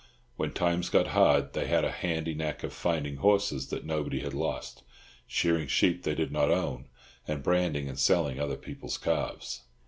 When times got hard they had a handy knack of finding horses that nobody had lost, shearing sheep they did not own, and branding and selling other people's calves.